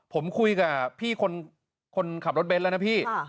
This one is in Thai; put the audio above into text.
ผมคุยกับพี่คนขับรถเบนท์แล้วนะพี่